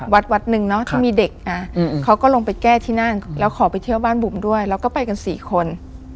วัดวัดหนึ่งเนาะที่มีเด็กนะเขาก็ลงไปแก้ที่นั่นแล้วขอไปเที่ยวบ้านบุ๋มด้วยแล้วก็ไปกันสี่คน